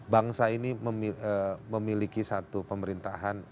bangsa ini memiliki satu pemerintahan